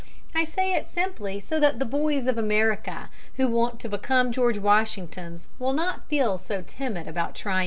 I say it simply that the boys of America who want to become George Washingtons will not feel so timid about trying it.